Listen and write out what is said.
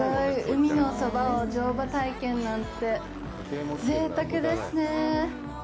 海のそばを乗馬体験なんてぜいたくですね。